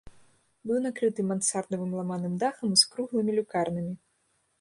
Быў накрыты мансардавым ламаным дахам з круглымі люкарнамі.